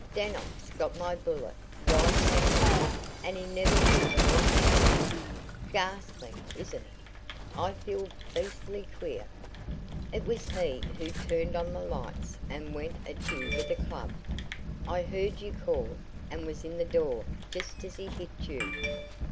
Dannox got my bullet right in the head and he never knew what hit him. Ghastly, isn't it? I feel beastly queer. It was he who turned on the lights and went at you with a club. I heard you call, and was in the door just as he hit you.